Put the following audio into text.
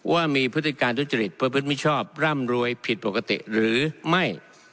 ว่ามีพฤติการทุจริตประพฤติมิชชอบร่ำรวยผิดปกติหรือไม่